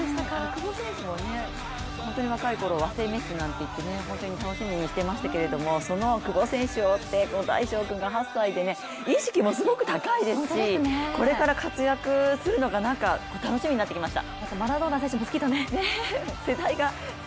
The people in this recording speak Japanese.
久保選手も若いところ、和製メッシとか言われてましたけど本当に楽しみにしてましたけれども、その久保選手を追ってこの大鐘君が８歳で意識もすごい高いですし、これから活躍するのが楽しみになってきました。